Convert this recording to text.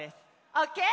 オッケー？